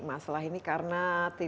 masalah ini karena